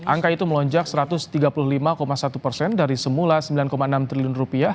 angka itu melonjak satu ratus tiga puluh lima satu persen dari semula rp sembilan enam triliun